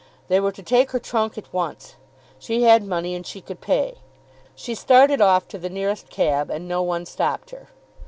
They were to take her trunk at once. She had money and she could pay. She started off to the nearest cab, and no one stopped her.